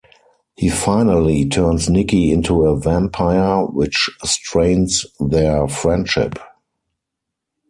He finally turns Nicki into a vampire, which strains their friendship.